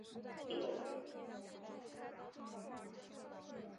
长筱之战是是日本战国时期的一场著名战役。